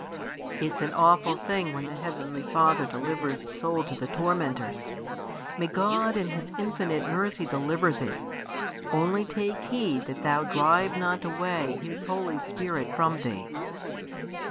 It's an awful thing when the Heavenly Father delivers a soul to the tormentors! May God in His infinite mercy deliver thee; only take heed that thou drive not away His Holy Spirit from thee!"